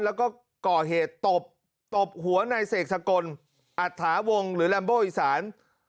แล้วก็ก่อเหตุตบตบหัวในเสกสกลอัตถาวงหรือแรมโบอีสาน